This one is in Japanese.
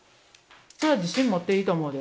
それは自信持っていいと思うで。